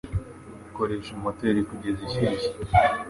Koresha moteri kugeza ishyushye.